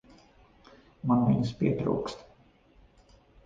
Man viņas pietrūkst.